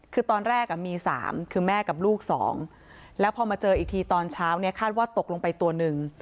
คือตอนแรกมี๓คือแม่กับลูก๒แล้วพอมาเจออีกทีตอนเช้าเนี่ยคาดว่าตกลงไปตัวหนึ่ง